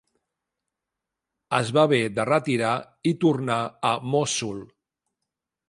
Es va haver de retirar i tornar a Mossul.